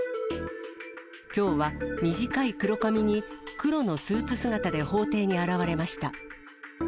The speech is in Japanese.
きょうは短い黒髪に、黒のスーツ姿で法廷に現れました。